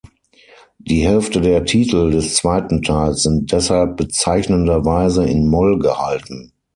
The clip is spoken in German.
Die Hälfte der Titel des zweiten Teils sind deshalb bezeichnenderweise in Moll gehalten.